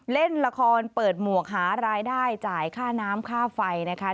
เล่นละครเปิดหมวกหารายได้จ่ายค่าน้ำค่าไฟนะคะ